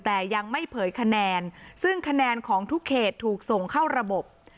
แต่ยังไม่เผยคะแนนซึ่งคะแนนของทุกเขตถูกส่งเข้าระบบ